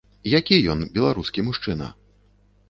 Які ён, беларускі мужчына?